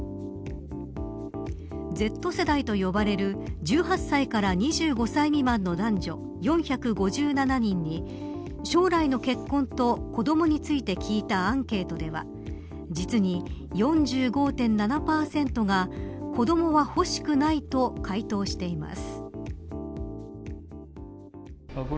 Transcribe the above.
Ｚ世代と呼ばれる１８歳から２５歳未満の男女４５７人に将来の結婚と子どもについて聞いたアンケートでは実に４５．７％が子どもは欲しくないと回答しています。